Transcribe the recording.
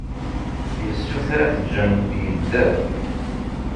Yessuter ad t-ǧǧen yedder.